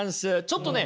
ちょっとね